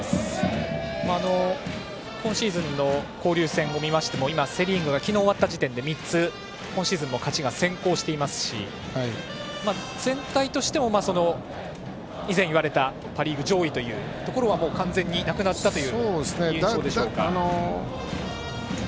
今シーズンの交流戦を見ましても今、セ・リーグが昨日終わった時点で３つ、今シーズンも勝ちが先行していますし全体としても以前言われたパ・リーグ上位ということは完全になくなったという印象でしょうか。